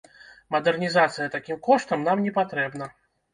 Мадэрнізацыя такім коштам нам не патрэбна.